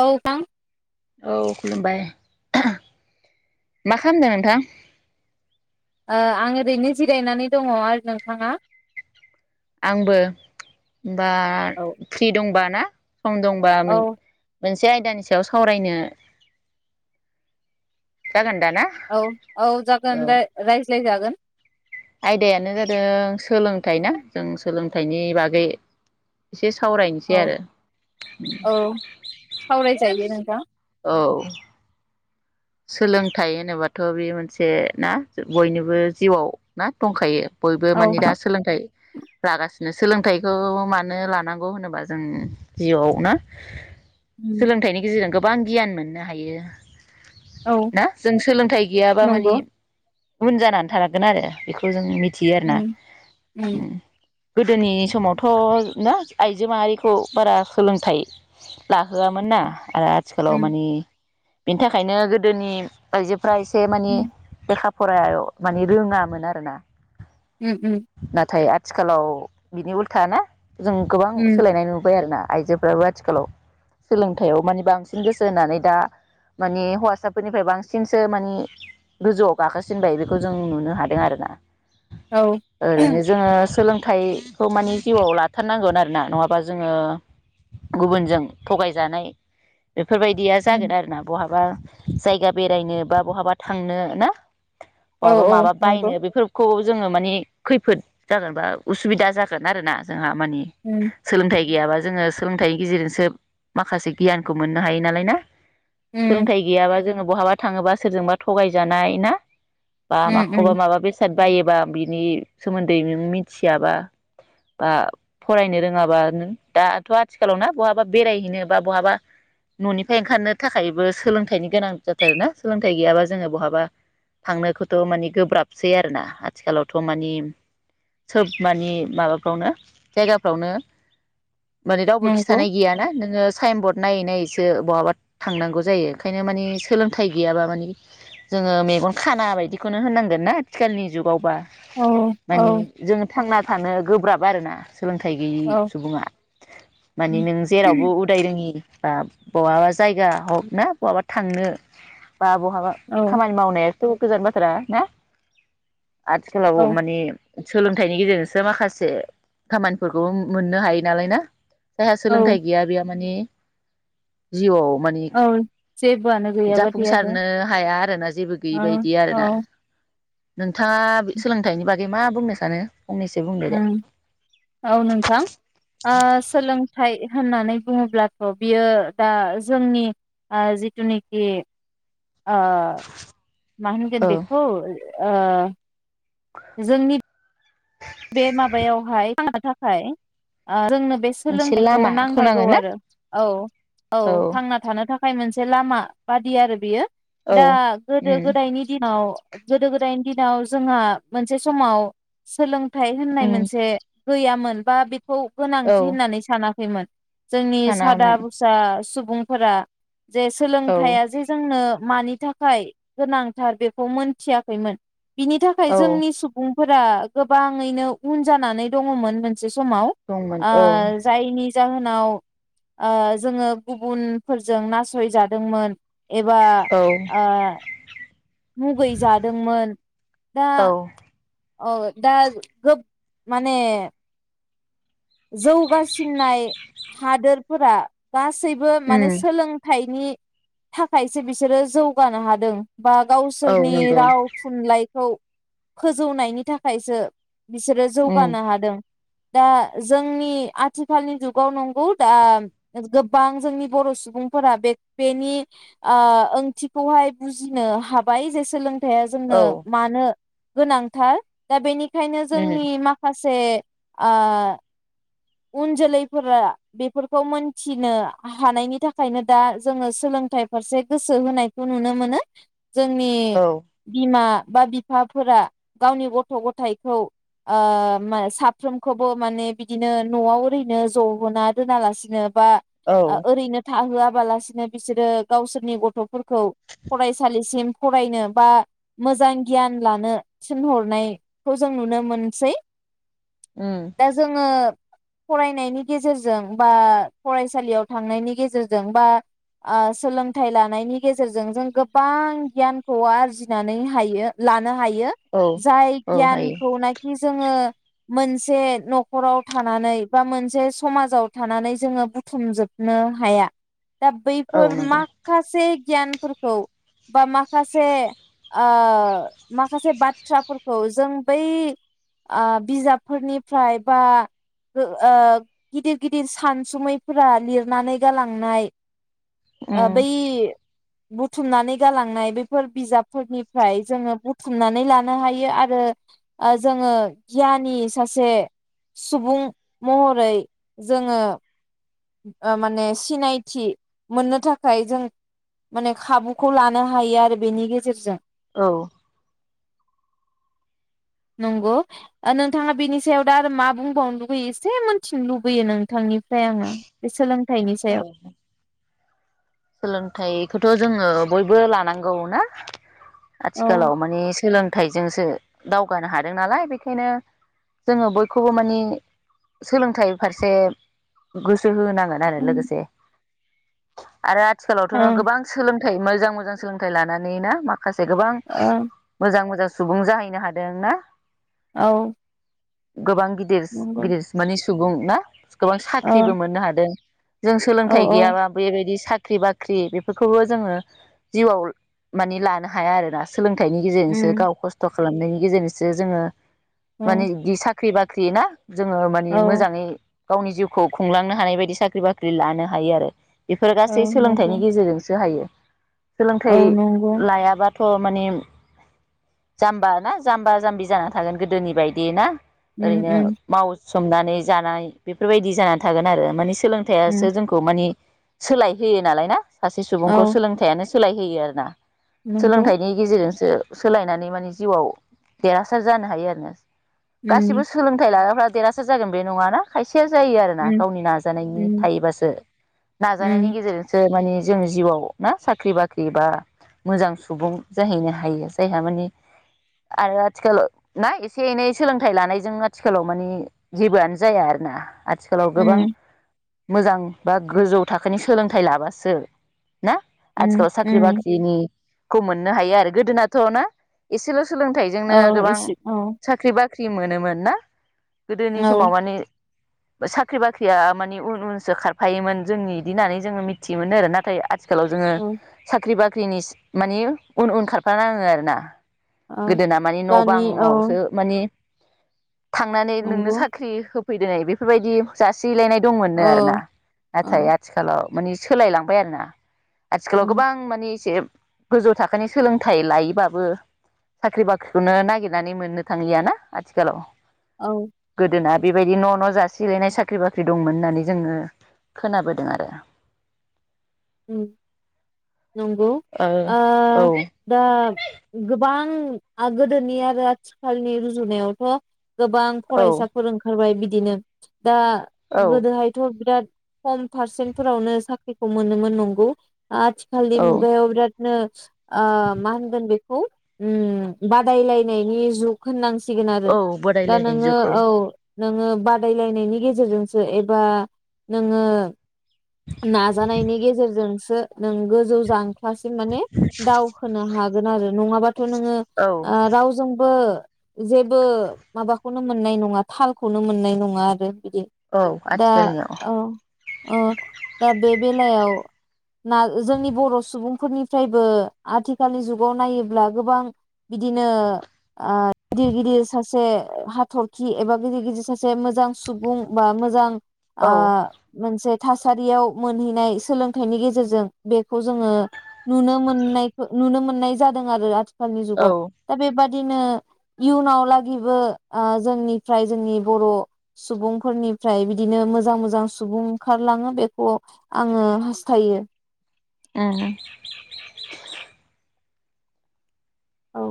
औ थां औ खुलुमबाय मा खामदो नोंथां? ओ आं ओरैनो जिरायनानै दङ, आरो नोंथाङा? आंबो। होमबा औ फ्रि दंबा ना [inaudible] सम दंबा औ मोन मोनसे आयदानि सायाव सावरायनो जागोन दाना औ औ औ जागोन राय रायज ज्लाय जागोन आयदायानो जादों सोलोंथाइ ना जों सोलोंथाइनि बागै एसे सावरायनोसै औ आरो सावराय जायो नोंथां। औ। सोलोंथाइ होनोबाथ' बे मोनसे ना बयनिबो जिउआव ना दंखायो। बयबो मानि दा सोलोंथाइ लागासिनो सोलोंथाइखौ मानो लानांगौ होनोबा जों जिउआव ना उम सोलोंथाइनि गेजेरजों गो बां गियान मोननो हायो। औ ना जों सोलोंथाइ गैयाबा माने नंगौ उन जानानै थालांगोन आरो बेखौ जों मि थियो आरना उम उम गोदोनि समावथ' ना आइजो माहारिखौ बारा सोलोंथाइ लाहोआमोन ना। आरो आथिखालाव उम माने बेन्था खायनो गोदोनि आयजो फ्रा एसे माने उम लेखा फराय माने रोङामोन आरोना। उम उम। स्कुलाव बिनि उल्था ना जों गोबां उम सोलायनाय नुबाय आरो ना। आइजोफ्राबो आथिखालाव सोलोंथायाइयाव माने बांसिन गोसो होनानै दा माने हौवासाफोरनिफ्राय बांसिनसो माने गोजौआव गाखोसिनबाय बेखौ जों नुनो हादों आरोना। औ ओरैनो जोङो सोलों थाइखौ माने जिउआव लाथारनांगोन आरोना नङाबा जोङो गुबुनजों थगायजानाय बेफोरबायदिया उम जागोन आरो ना। माबा जायगा बेरायनो बा बहाबा थांनो ना। औ बाबा औ माबा नंगौ बायनो बेफोरखौ जोङो माने खैफोद जागोन बा उसुबिदा जागोन आरोना जोंहा। माने उम सोलोंथाय गैयाब्ला। जोङो सोलोंथाइनि गेजेरजोंसो माखासे गियानखौ मोननो हायो नालाय ना। उम सोलोंथाइ गैयाबा जोङो बहाबा थाङोबा सोरजोंबा थगायजानाय ना बा उम माखौबा उम माबा बेसाद बायोबा बिनि सोमोन्दै नों मिथियाबा बा फरायनो रोङाबा नों दाथ' आथिखालाव ना बहाबा बेरायहैनो बा बहाबा न'निफ्राय ओंखारनो थाखायबो सोलोंथाइनि गोनां जाथारोना सोलोंथाइ गैयाबा जोङो बहाबा थांनोखौथ' माने गोब्राबसै आरोना आथिखालावथ' मानि सोब मानि माबाफ्रावनो जायगाफ्रावनो माने रावबो नंगौ खिन्थानाय गैयाना नोङो साइन बर्ड नायै नायैसो बहाबा थांनांगौ जायो ओंखायनो मानि सोलोंथाइ गैयाबा मानि जोङो मेगन खाना बायदिखौनो होनांगोन ना आथिखालनि जुगावबा औ औ माने जोङो थांना थानो गोब्राब आरोना सोलोंथाइ गैयि औ औ सुबुङा माने नों जेरावबो उदाय रोङि बा बहाबा जायगा ह ना बहाबा थांनो बा बहाबा खामानि मावनाय गोजान बाथ्रा ना आथिखालाव औ माने सोलोंथाइनि गेजेरजोंसो माखासे खामानिफोरखौ मोननो हायो नालाय ना जायहा औ सोलोंथाइ गैया बेया माने जिउ आव औ जेबोआनो गैयाबादि आरो जाफुंसारनो हाया आरोना जेबो गैयि औ बदि आरोना औ नोंथाङा सोलोंथाइनि बागै मा बुंनो सानो? फंनैसो बुंदो दे ओ औ नोंथां ओ सोलोंथाइ होननानै बुङोब्लाथ' बियो दा जोंनि जिथुनिखि आ मा होनगोन औ बेखौ ओ जोंनि बे माबायावहाय थानो थाखाय ओ जोंनो बे मोनसे सोलोंथाइखौ लामा नांगारगौ खोनांगोन ना आरो औ औ थांना थानो थाखाय थाखाय मोनसे लामा बादि आरो बियो औ दा गोदो उम गोदायनि दिनाव गोदो गोदायनि दिनाव जोंहा मोनसे समाव सोलों थाय होननाय उम मोनसे गैयामोन बा खौ औ गोनांथि होननानै सानाख खैमोन जोंनि सादा सानामोन भुसा सुबुंफोरा जे औ सोलोंथाइया जे जोंनो मानि थाखाय गोनांथार बेखौ मोनथियाखैमोन बिनि थाखाय औ जोंनि सुबुं फोरा गोब गोबाङैनो उन जानानै दङमोन मो मोनसे समाव दंमोन ओ औ जायनि जाहोनाव ओ जोङो गुबुनफोरजों नासयजादोंमोन एबा औ आ मुगै जादोंमोन दा औ औ दा गोब माने जौगासिननाय हादोरफोरा गासैबो माने उम सोलोंथाइ नि थाखायसो बिसोरो जौगानो हादों। बा औ गावसोरनि नंगौ राव थुनलाइखौ फोजौनायनि थाखायसो बिसोरो उम जौगानो हादों दा जोंनि आथिखालनि जुगाव न- [unintelligible] गोबां जोंनि बर सुबुंफोरा बे बेनि ओंथिखौहाय बुजिनो हाबाय जे सोलों थायाइा जोंनो औ मानो गोनांथार दा बेनि खायनो उम जोंनि माखासे से आ उन जोलैफोरा बेफोरखौ मोनथिनो हानायनि थाखायनो दा जोङो सोलोंथाइ फारसे गोसो होनायखौ नुनो मोनो जोंनि औ बिमा बा बिफाफोरा गावनि गथ गथायाइखौ ओ म साफ्रोमखौबो माने बिदिनो नआव ओरैनो जगना दोनालासिनो बा औ ओरैनो थआ -लासिनो बिसोरो गावसोरनि गथफोरखौ फरायसालिसिम फरायनो बा मोजां गियान लानो थिनहरनायखौ जों नुनो मोनसै उम द जोङ फरायनायनि गेजेरजों बा फरायसालियाव थांनायनि गेजेरजों बा सोलोंथाइ लानायनि गेजेरजों जों गोबां गियानखौ आरजिनानै -लानो हायो औ जाय औ हायो गियानखौ नखि जोङो मोनसे नखराव थानानै बा मोनसे समाजाव थानानै जोङो बुथुमजोबनो हाया दा औ बैफोर नंगौ माखसे गियानफोरखौ बा माखासे ओ माखासे बाथ्राफोरखौ जों बै ओ बिजाबफोरनिफ्राय बा ओ गिदिर गिदिर सानसुमैफोरा लिरनानै गालांनाय ओ उम बै बुथुमनानै गालांनाय बेैफोर बिजाबफोरनिफ्राय जोङो बुथुमनानै लानो हायो आरो ओ जोङो गियानि सासे सुबुं महरै जोङो ओ माने सिनायथि मोननो थाखाय जों माने खाबुखौ लानो हायो आरो बेनि गेजेरजों। औ। नोंगौ, नोंथाङा बेनि सायाव दा आरो मा बुंबावनो लुुबैयो एसे मोनथिनो लुबैयो नोंथांनिफ्राय आङो। बे सोलों थाइनि औ सायाव। सोलोंथाइखौथ' जोङो बयबो लानांगौ ना? औ आथिखालाव माने सोलों थाइजोंसो दावगानो हादों नालाय बेखायनो जोङो बयखौबो मानि सोलोंथाइ फारसे गोस सो होनांगोन आरो लोगोसे। आरो आथिखालावथ' नों ओं गोबां सोलों थाइ मोजां मोजां सोलोंथाइ लानानै ना मा खासे गोबां ओ मोजां मोजां सुबुं जाहैनो हादों ना। औ। गोबां गिदिरस नंगौ गिदिरस माने सुबुं ना? गोबां औ साख्रिबो मोननो हादों। जों औ सोलोंथाइ औ गैयाबा बेबायदि ख्रि बाख्रि बेफोरखौबो जोङो जिउआव माने लानो हाया आरोना स सोलोंथाइनि गेजेरजोंसो उम गाव खस्थ' खालामनायनि गेजेरजोंसो जोङो औ माने गि सा ख्रि बाख्रि ना? जोङो मानि औ मोजाङै गावनि जिउखौ खुंलांनो हानाय बायदि साख्रि बाख्रि लानो हायो आरो बे औ एसे नंगौ सोलोंथाइनि गेजेरजोंसो हायो। औ सोलोंथाइ नंगौ लायाबाथ' माने जाम्बा ना जाम्बा जाम्बि जाना थागोन गोदोनि बायदि ना? उम ओरैनो उम माव संनानै जानाय बेफोरबायदि जानानै थागोन आरो माने उम सोलोंथाइआसो जोंखौ माने सोलाय होयो नालाय ना? सासे औ सुबुंखौ सोलोंथाइआनो स सोलाय होयो आरो ना नंगौ सोलोंथाइनि गेजेरजोंसो सोलायनानै माने जिउआव देरहासार जानो हायो आरो ना गासिबो उम सोलोंथाइ लाग्राफ्रा देरहासार जागोन बे नङाना खायसे खायसेया जायो आरोना उम गावनि नाजानायनि उम थायोबासो नाजानाय उम गेजेरजोंसो माने जों जिउआव ना साख्रि बाख्रि बा मोजां सुबुं जाहैनो हायो जायहा माने आरो आथिखालाव ना एसे एनै सोलोंथाइ लानायजों आथिखालाव मानि जेबोआनो जाया आरो ना। आथिखालाव गोबां उम मोजां बा गोजौ थाखो बेखायनो सोलोंथाइ लाबासो ना उम आथिखालाव साख्रि उम बाख्रिनि खौ मोननो हायो आरो गोदोनाथ' ना एसेल' सोलोंथाइजोंनो औ गोबां एसे औ साख्रि बाख्रि बाख्रि मोनोमोन ना? गोदोनि समाव औ माने साख्रि बाख्रिया मानि उन उनसो खारफायोमोन जोंनि बिदि होननानै जोङो मिथियोमो आरो नाथाय आथिखालाव जोङो औ साख्रि बाख्रि साख्रिनि मानि उन उन खारफानाङो आरो ना? औ गोदोना मानि न' दानि औ बांआवसो मानि थांनानै नोंनो नंगौ साख्रि हो होफैदोनै बेफोरबायदि जासिग फैलायनाय औ दंमोननो आरोना नाथाय औ आथिखालाव माने सोलायलांबाय आरो ना। आथिखालाव उम गोबां मानि एसे गोजौ थाखोनि सोलोंथाइ लायोबाबो साख्रि बाख्रिखौनो नागिरनानै मोननो थाङहैयाना आथिखालाव? औ गोदोना बेबायदि न' न' जासिलायनाय साख्रि बाख्रि दंमोन होननानै जोङो खोनाबोदों आरो [unintelligible] उम। नंगौ ओ औ दा गोबां गोदोनि आरो आथिखालनि रुजुनायावथ' गोबां औ फरायसाफोर ओंखारबाय बिदि बिदिनो। दा औ गोदोहायथ' बिराद खम पारसेन्टफोरावनो साख्रिखौ मोनोमोन। नंगौ। आथिखालनि औ मुगायाव नो? आ मान गोन बे बादायलायनायनि जुग होननां सिगोन आरो औ दा बोरायलायनाय नोङो जुग औ। नोङो बादायलायनायनि गेजेरजोंसो एबा नोङो नाजानायनि गेजेरजों जोंसो नों गोजौ जांख्लासिम माने दावखोनो हागोन आरो नङाबाथ' नोङो औ रावजोंबो जेबो माबाखौनो मोननाय नङा थालखौनो मोननाय नङा आरो बिदि औ दा आथिखालनियाव औ अ दा बे बेलायाव ना जोंनि बर' सुबुंफोरनिफ्रायबो आथिखालनि जुगाव नायोब्ला गोबां बिदिनो गिदिर गिदिर सासे हाथरखि एबा गिदिर गिदिर सासे मोजां सुबुं बा मोजां आ औ मोनसे थासारियाव मोनहैनाय सोलों थायनि गेजेरजों बेखौ जोङो नुनो मोननाय नुनो मोननाय जादों आरो आथि आथिखालनि औ जुगाव दा बेबादि बिदिनो इयुनाव लागिबो जोंनिफ्राय जोंनि बर' सुबुंफोरनिफ्राय बिदिनो मोजां मोजां सुबुं ओंखारलाङो बेखौ आङो हास थायो ए औ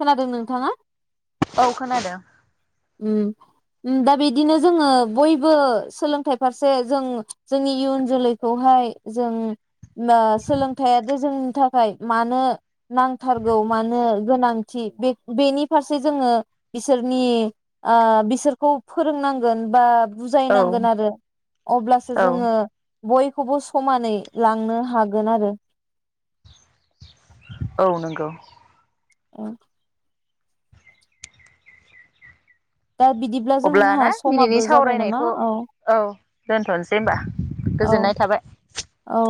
खोनादों नोंथाङा औ खोनादों दा बिदिनो जोङो बयबो सोलोंथाइ फारसे जों जोंनि इयुन जोलैखौहाय जों सोलोंथाइआदि जोंनि थाखाय मानो नांथारगौ मानो गोनांथि बे बेनि फारसे जोङो बिसोरनि बिसोरखौ फोरोंनांगोन बा औ बुजायनांगोन आरो अब्लासो औ जोङो बयखौबो समानै लांनो हागोन आरो औ नंगौ औ दा बिदिब्ला जोंहा अब्लाना दिनैनि समाबो जाबाय नामा सावरायनायखौ औ दोनथ'नोसै होनबा औ गोजोननाय थाबाय औ